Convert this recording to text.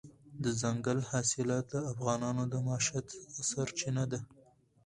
دځنګل حاصلات د افغانانو د معیشت سرچینه ده.